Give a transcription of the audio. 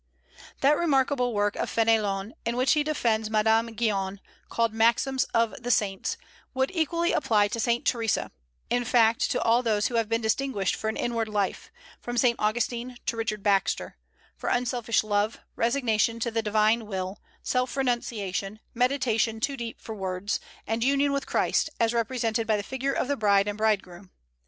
That remarkable work of Fénelon in which he defends Madame Guyon, called "Maxims of the Saints," would equally apply to Saint Theresa, in fact to all those who have been distinguished for an inward life, from Saint Augustine to Richard Baxter, for unselfish love, resignation to the divine will, self renunciation, meditation too deep for words, and union with Christ, as represented by the figure of the bride and bridegroom.